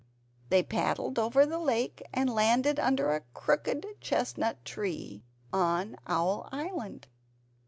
They paddled over the lake and landed under a crooked chestnut tree on Owl Island.